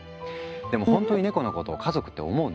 でもほんとにネコのことを家族って思うの？